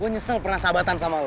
gue nyesel pernah sahabatan sama allah